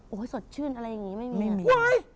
โอ้โหสดชื่นอะไรอย่างนี้ไม่มี